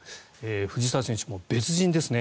藤澤選手、別人ですね。